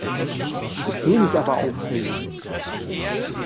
Ich will mich aber aufregen!